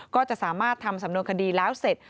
ก็จะสามารถทำสำนวนคดีแล้วเสร็จ